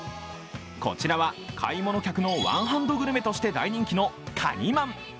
こちらは買い物客のワンハンドグルメとして大人気の、かにまん。